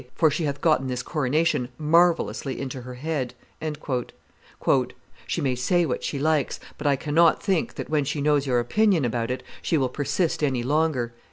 For she hath gotten this coronation marvellously into her head." "She may say what she likes; but I cannot think that, when she knows your opinion about it, she will persist any longer."